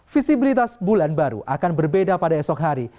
visibilitas bulan baru akan berbeda pada esok hari